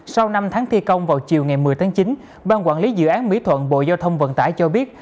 sau năm tháng thi công vào chiều ngày một mươi tháng chín ban quản lý dự án mỹ thuận bộ giao thông vận tải cho biết